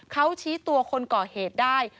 เขาชี้ตัวคนก่อเหตุได้